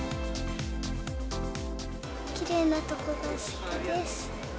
きれいなところが好きです。